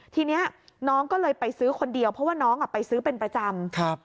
ทีนี้น้องก็เลยไปซื้อคนเดียวเพราะว่าน้องไปซื้อเป็นประจำ